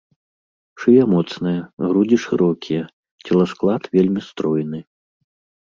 Шыя моцная, грудзі шырокія, целасклад вельмі стройны.